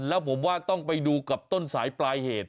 แล้วผมว่าต้องไปดูกับต้นสายปลายเหตุ